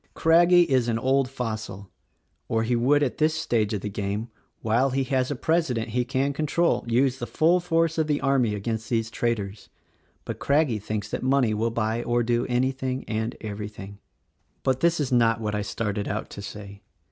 Craggie is an old fossil, or he would at this stage of the game, while he has a President he can control, use the full force of the army against these traitors. But Crag gie thinks that money will buy or do anything and every thing. "But this is not what I started out to say.